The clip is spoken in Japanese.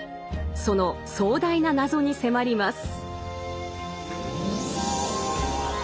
その壮大な謎に迫ります。